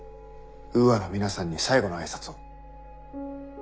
ウーアの皆さんに最後の挨拶を。